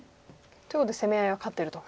ということで攻め合いは勝ってると。